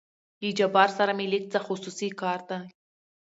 له جبار سره مې لېږ څه خصوصي کار دى.